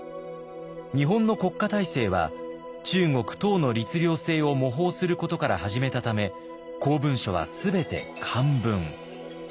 日本の国家体制は中国・唐の律令制を模倣することから始めたため公文書は全て漢文。